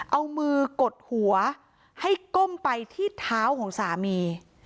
เอามือกดหัวให้ก้มไปที่เท้าของสามี